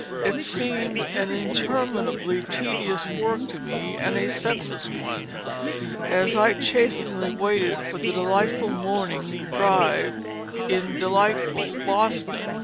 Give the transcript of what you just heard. It seemed an interminably tedious work to me and a senseless one, as I chafingly waited for the delightful morning drive in delightful Boston.